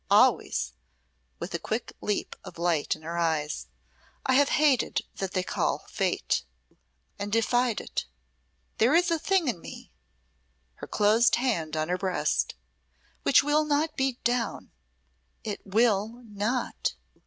Always," with quick leap of light in her eyes, "I have hated that they call Fate, and defied it. There is a thing in me," her closed hand on her breast, "which will not be beat down! It will not.